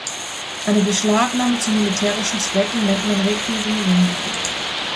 Eine Beschlagnahme zu militärischen Zwecken nennt man "Requirierung".